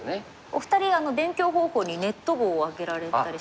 お二人勉強方法にネット碁を挙げられたり。